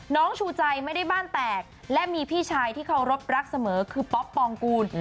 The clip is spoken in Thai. ชูใจไม่ได้บ้านแตกและมีพี่ชายที่เคารพรักเสมอคือป๊อปปองกูล